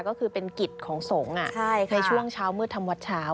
ก็คือเป็นกิจของสงฆ์ในช่วงเช้ามืดทำวัดเช้า